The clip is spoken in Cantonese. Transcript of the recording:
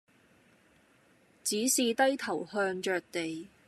只是低頭向着地，